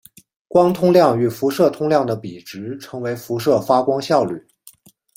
光通量与辐射通量的比值称为辐射发光效率。